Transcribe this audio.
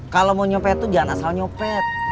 kalau mau nyopet itu jangan asal nyopet